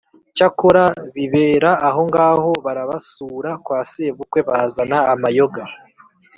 cyakora bibera ahongaho barabasura, kwa sebukwe bazana amayoga.